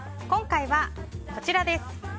今回はこちらです。